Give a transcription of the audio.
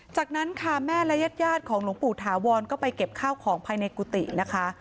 จากนั้นค่ะแม่และญาติของหลวงปู่ถาวรก็ไปเก็บข้าวของภายในกุฏินะคะ